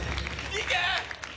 いけ！